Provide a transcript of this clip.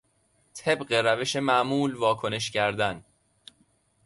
طبق روش معمول واکنش کردن